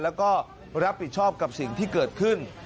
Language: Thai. แล้วก็รับผิดชอบกับสิ่งที่เกิดขึ้น